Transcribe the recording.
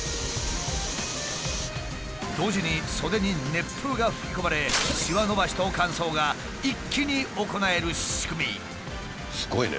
同時に袖に熱風が吹き込まれしわ伸ばしと乾燥が一気に行える仕組み。